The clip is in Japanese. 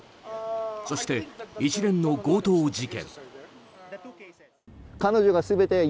そして一連の強盗事件。